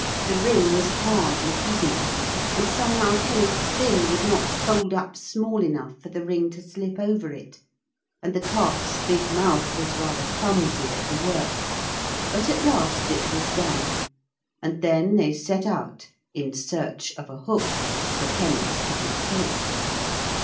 The ring was hard and heavy, and somehow Kenneth's fin would not fold up small enough for the ring to slip over it, and the Carp's big mouth was rather clumsy at the work. But at last it was done. And then they set out in search of a hook for Kenneth to be caught with.